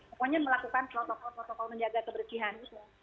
pokoknya melakukan protokol protokol menjaga kebersihan